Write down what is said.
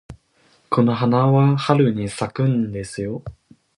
この花は春に咲くんですよ。